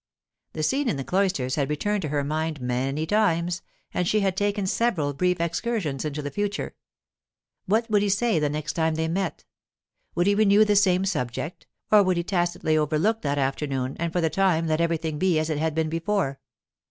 The scene in the cloisters had returned to her mind many times, and she had taken several brief excursions into the future. What would he say the next time they met? Would he renew the same subject, or would he tacitly overlook that afternoon, and for the time let everything be as it had been before?